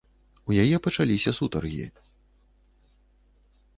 У яе пачаліся сутаргі.